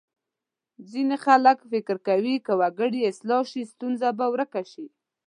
ځینې خلک فکر کوي که وګړي اصلاح شي ستونزه به ورکه شي.